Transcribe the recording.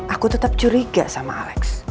aku tetap curiga sama alex